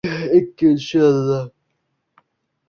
ikkinchi laqay qabilasining kichik bir tarmog‘i badal deb atalgan.